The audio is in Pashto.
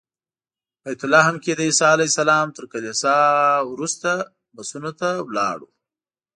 بیت لحم کې د عیسی علیه السلام تر کلیسا وروسته بسونو ته لاړو.